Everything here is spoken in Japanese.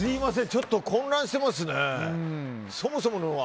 ちょっと混乱してますね。